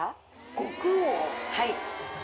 はい。